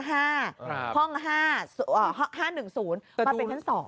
ห้อง๕๑๐มาเป็นชั้น๒